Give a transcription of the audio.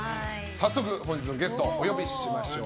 早速、本日のゲストをお呼びしましょう。